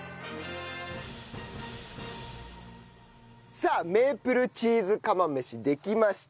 さあメープルチーズ釜飯できました。